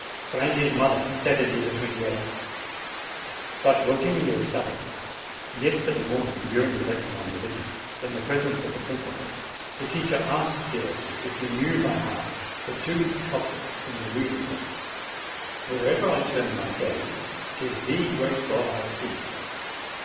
FRANTI'S MOTHER Saturday, 28th. But Votini is stubborn. Yesterday morning, dur ing the lesson on religion, in the presence of the principal, the teacher asked Derossi if he knew by heart the two couplets in the reading book, 'Where'er I turn my gaze, Tis Thee, great God, I see."